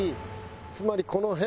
つまりこの辺！